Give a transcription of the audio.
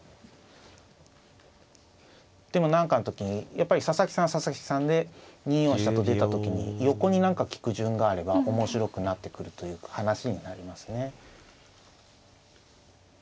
でも何かの時にやっぱり佐々木さんは佐々木さんで２四飛車と出た時に横に何か利く順があれば面白くなってくるという話になりますね。